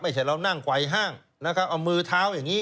ไม่ใช่เรานั่งไกลห้างนะครับเอามือเท้าอย่างนี้